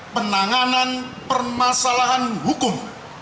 penanganan permasalahan hukum